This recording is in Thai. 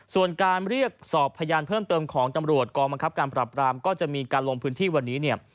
ส่วนการเรียกสอบพยานเพิ่มเติมของตำรวจกองบังคับการปรับรามก็จะมีการลงพื้นที่วันนี้เนี่ย